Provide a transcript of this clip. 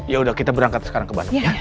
ya udah kita berangkat sekarang ke bandung